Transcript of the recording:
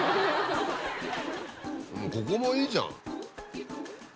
ここもいいじゃん。